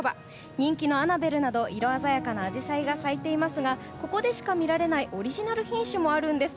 人気のアナベルなど、色鮮やかなアジサイが咲いていますがここでしか見られないオリジナル品種もあるんです。